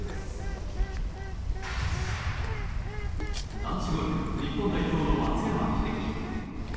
男子ゴルフ日本代表の松山英樹。